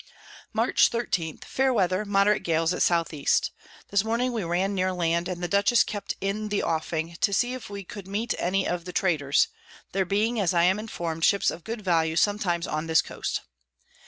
Mar. 13. Fair Weather, moderate Gales at S E. This Morning we ran near Land, and the Dutchess kept in the Offing, to see if we could meet any of the Traders; there being, as I am inform'd, Ships of good Value sometimes on this Coast.